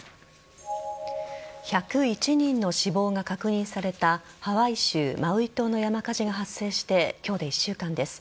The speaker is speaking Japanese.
１０１人の死亡が確認されたハワイ州マウイ島の山火事が発生して今日で１週間です。